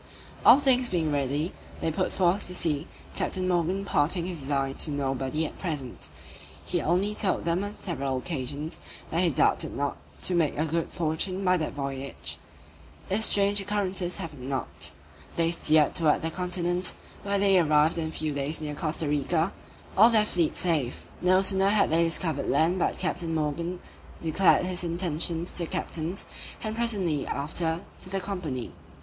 All things being ready, they put forth to sea, Captain Morgan imparting his design to nobody at present; he only told them on several occasions, that he doubted not to make a good fortune by that voyage, if strange occurrences happened not. They steered towards the continent, where they arrived in a few days near Costa Rica, all their fleet safe. No sooner had they discovered land but Captain Morgan declared his intentions to the captains, and presently after to the company.